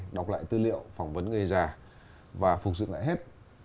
đọc lại tư liệu phỏng vấn người già và phục dựng lại hết